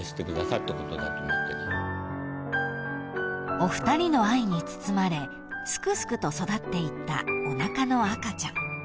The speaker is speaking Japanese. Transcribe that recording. ［お二人の愛に包まれすくすくと育っていったおなかの赤ちゃん］